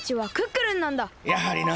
やはりな。